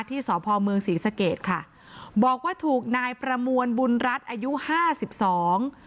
ที่สพเมืองศรีสะเกดค่ะบอกว่าถูกนายประมวลบุญรัฐอายุห้าสิบสอง